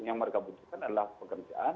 yang mereka butuhkan adalah pekerjaan